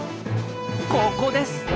ここです！